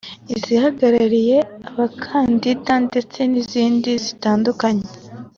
izihagarariye abakandida ndetse n’izindi zitandukanye